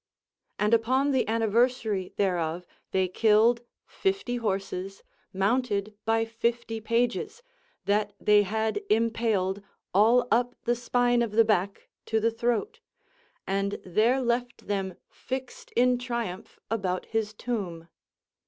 And upon the anniversary thereof they killed fifty horses, mounted by fifty pages, that they had impaled all up the spine of the back to the throat, and there left them fixed in triumph about his tomb.